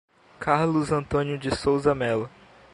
Carlos Antônio de Souza Melo